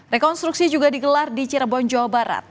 rekonstruksi juga digelar di cirebon jawa barat